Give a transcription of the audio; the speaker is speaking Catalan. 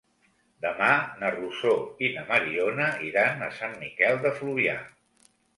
Demà na Rosó i na Mariona iran a Sant Miquel de Fluvià.